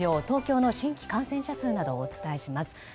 東京の新規感染者数などをお伝えします。